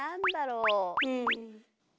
うん。